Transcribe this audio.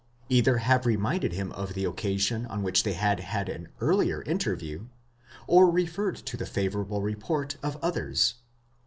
either have reminded him of the occasion on which they had had an earlier interview, or referred to the favourable report of others.